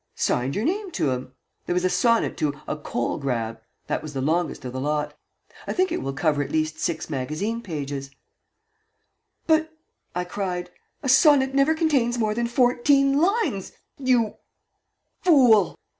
"Signed your name to 'em. There was a sonnet to 'A Coal Grab' that was the longest of the lot. I think it will cover at least six magazine pages " "But," I cried, "a sonnet never contains more than fourteen lines you fool!"